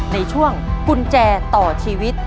ในช่วงกุญแจต่อชีวิต